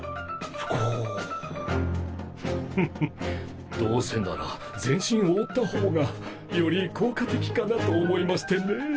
フフフどうせなら全身覆った方がより効果的かなと思いましてねぇ。